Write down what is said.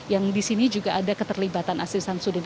yang di sini juga ada keterlibatan aziz syamsudin